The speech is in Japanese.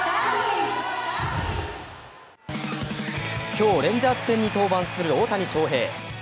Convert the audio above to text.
今日、レンジャーズ戦に登板する大谷翔平。